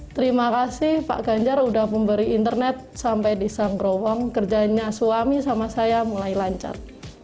terima kasih pak ganjar sudah memberi internet sampai di sang growong kerjanya suami sama saya mulai lancar